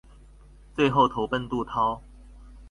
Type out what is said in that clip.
最后投奔杜弢。